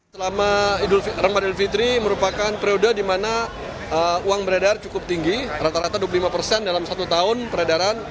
selama ramadan fitri merupakan periode di mana uang beredar cukup tinggi rata rata dua puluh lima persen dalam satu tahun peredaran